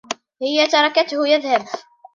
هي تركتهُ يذهب.